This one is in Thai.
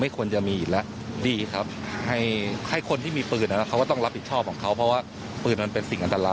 ครับคุณครับทหาร